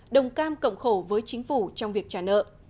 đồng cam cộng khổ với chính phủ trong việc trả nợ